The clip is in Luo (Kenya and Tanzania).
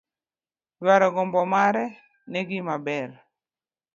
Dwaro gombo mare ne gima ber.